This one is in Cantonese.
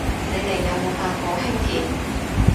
你哋有冇搭過輕鐵